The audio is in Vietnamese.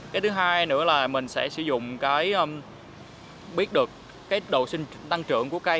cái thứ hai nữa là mình sẽ sử dụng biết được độ sinh tăng trưởng của cây